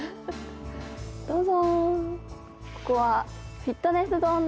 どうぞ。